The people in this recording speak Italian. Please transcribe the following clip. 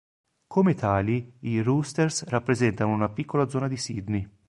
Come tali, i Roosters rappresentano una piccola zona di Sydney.